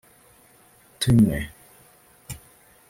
“Tunywe